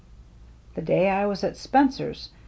" The day I was at Spencer's.